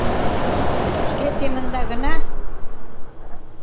— Шке семында гына...